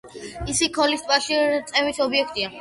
ისიქ-ქოლის ტბაში რეწვის ობიექტია.